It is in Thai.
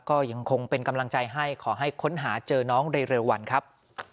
ก็ยังคงเป็นกำลังใจให้ขอให้ค้นหาเจอน้องในเร็ววันครับ